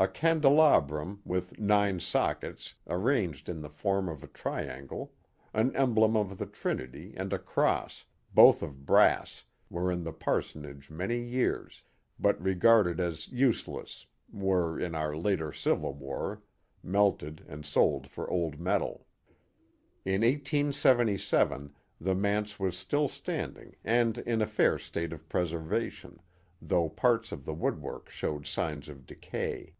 A candelabrum, with nine sockets, arranged in the form of a triangle, an emblem of the Trinity, and a cross, both of brass, were in the parsonage many years, but, regarded as use less, were, in our late civil war, melted and sold for old metal. In 1877 the manse was still standing and in a fair state of preservation, though parts of the woodwork showed signs of de cay.